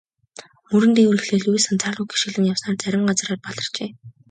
Мөрөн дээгүүр эхлээд Луис анзааралгүй гишгэлэн явснаас зарим газраар баларчээ.